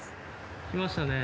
来ましたね。